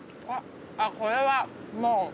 これはもう。